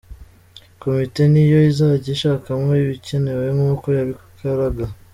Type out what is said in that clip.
Komite ni yo izajya yishakamo ibikenewe nk’uko yabikoraga.